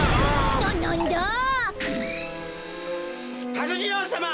はす次郎さま！